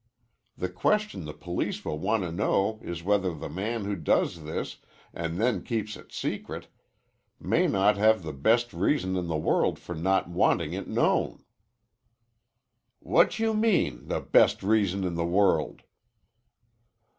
The question the police will want to know is whether the man who does this an' then keeps it secret may not have the best reason in the world for not wanting it known." "What you mean the best reason in the world?"